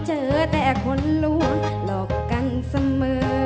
เจอแต่คนล้วงหลอกกันเสมอ